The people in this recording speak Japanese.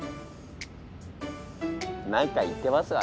何か言ってますわね。